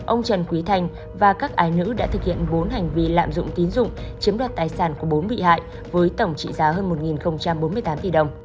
ông trần quý thanh và các ai nữ đã thực hiện bốn hành vi lạm dụng tín nhiệm chiếm đoạt tài sản của bốn bị hại với tổng trị giá hơn một bốn mươi tám tỷ đồng